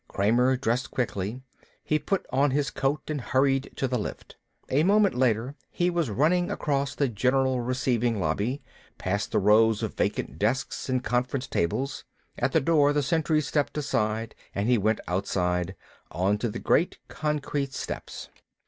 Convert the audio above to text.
Kramer dressed quickly. He put on his coat and hurried to the lift. A moment later he was running across the general receiving lobby, past the rows of vacant desks and conference tables. At the door the sentries stepped aside and he went outside, onto the great concrete steps.